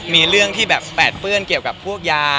มีเรื่องที่แบบแปดเปื้อนเกี่ยวกับพวกยา